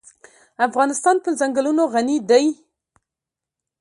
افغانستان په ځنګلونه غني دی.